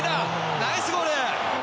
ナイスゴール！